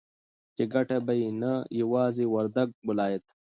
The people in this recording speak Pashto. چې گټه به يې نه يوازې وردگ ولايت